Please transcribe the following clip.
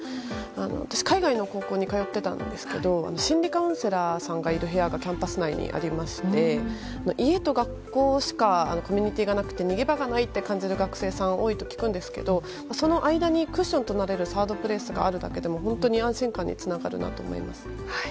私、海外の学校に通っていたんですけど心理カウンセラーさんがいる部屋がキャンパス内にありまして家と学校しかコミュニティーがなくて逃げ場がないと感じる学生さんが多いと聞くんですけどその間にクッションとなれるサードプレイスがあるだけでも本当に安心感につながるなと思います。